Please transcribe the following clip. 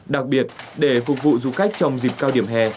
đặc biệt để phục vụ du khách trong dịp cao điểm hè